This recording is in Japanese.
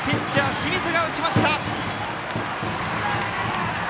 清水が打ちました！